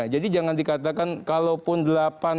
jadi jangan dikatakan kalaupun delapan